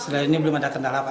sejauh ini belum ada